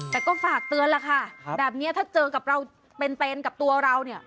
แต่ก็ฝากเตือนล่ะค่ะแบบนี้ถ้าเจอกับเราเป็นกับตัวเราเนี่ย